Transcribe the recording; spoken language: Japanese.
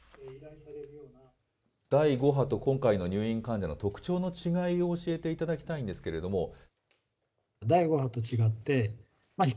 第５波と今回の入院患者の特徴の違いを教えていただきたいんですけれども。